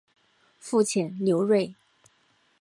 父亲刘锐。